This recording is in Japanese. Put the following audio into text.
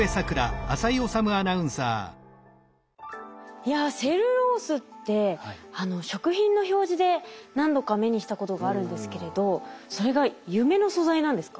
いやセルロースって食品の表示で何度か目にしたことがあるんですけれどそれが夢の素材なんですか？